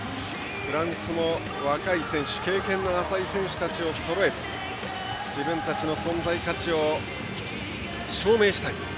フランスも若い選手経験の浅い選手たちをそろえて自分たちの存在価値を証明したい